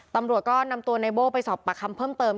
ตำรวจก็นำตัวในโบ้ไปสอบประคำเพิ่มเติม